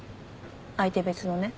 相手別のね。